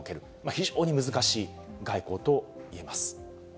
非常に難しい外交といえます。